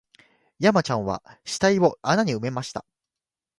山ちゃんは死体を穴に埋めました